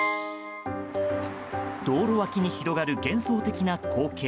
道路脇に広がる幻想的な光景。